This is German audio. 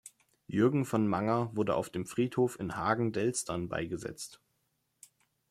Jürgen von Manger wurde auf dem Friedhof in Hagen-Delstern beigesetzt.